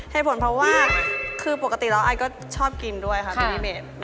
เหตุผลเพราะว่าคือปกติแล้วไอก็ชอบกินด้วยค่ะพี่เบส